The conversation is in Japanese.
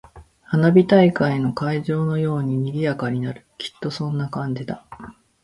花火大会の会場のように賑やかになる。きっとそんな感じだ。